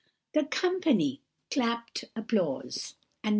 The company clapped applause, and No.